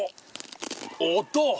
音！